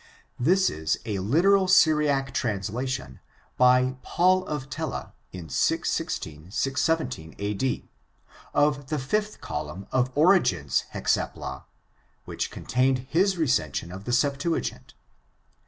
This is a literal Syriac translation, by Paul of Telia, in 616 17 ^^^ of the fifth column of Origen's Hexapla, which contained his recen sion of the Septuagint.